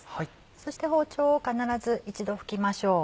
そして包丁を必ず一度拭きましょう。